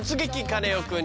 カネオくん」。